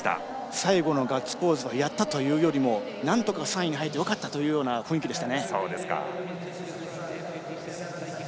最後のガッツポーズはやったというよりなんとか３位に入ってよかったという雰囲気でした。